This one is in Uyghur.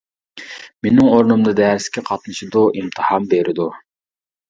مېنىڭ ئورنۇمدا دەرسكە قاتنىشىدۇ، ئىمتىھان بېرىدۇ.